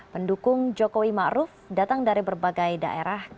pendukung jokowi ma'ruf datang dari berbagai daerah